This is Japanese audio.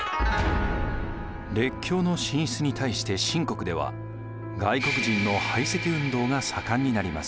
列強の進出に対して清国では外国人の排斥運動が盛んになります。